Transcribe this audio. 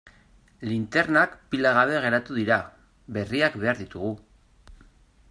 Linternak pila gabe geratu dira, berriak behar ditugu.